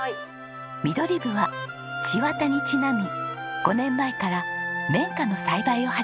ミドリブは千綿にちなみ５年前から綿花の栽培を始めました。